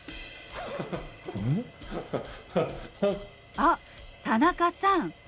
あっ田中さん